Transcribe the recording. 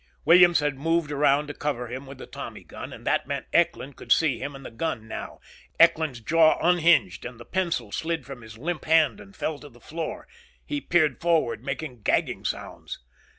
Williams had moved around to cover him with the Tommy gun. And that meant Eckland could see him and the gun now. Eckland's jaw unhinged and the pencil slid from his limp hand and fell to the floor. He peered forward, making gagging sounds.